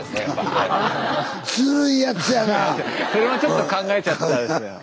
それはちょっと考えちゃったんですよ。